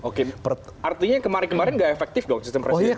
oke artinya kemarin kemarin nggak efektif dong sistem presidensial kita